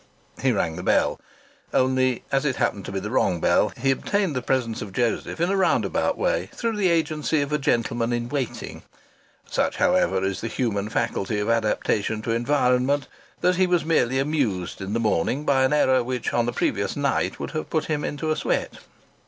He rang the bell. Only, as it happened to be the wrong bell, he obtained the presence of Joseph in a roundabout way, through the agency of a gentleman in waiting. Such, however, is the human faculty of adaptation to environment that he was merely amused in the morning by an error which, on the previous night, would have put him into a sweat.